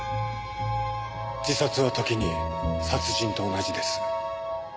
自殺は時に殺人と同じです。